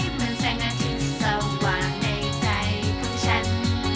เหมือนแสงอาทิตย์สองกว่าในใจของฉัน